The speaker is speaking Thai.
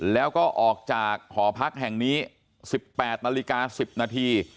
แล้วก็ออกจากหอพักแห่งนี้๑๘นาฬิกา๑๐นาที